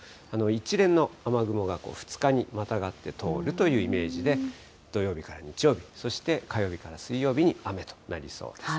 一連の雨雲が２日にまたがって通るというイメージで、土曜日から日曜日、そして火曜日から水曜日に雨となりそうです。